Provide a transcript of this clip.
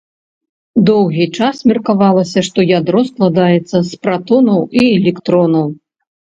Доўгі час меркавалася, што ядро складаецца з пратонаў і электронаў.